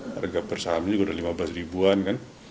harga per sahamnya juga udah lima belas ribuan kan